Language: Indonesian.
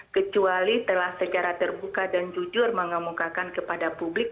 kecuali telah secara terbuka dan jujur mengemukakan kepada publik